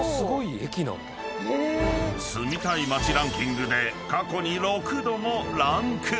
［住みたい街ランキングで過去に六度もランクイン］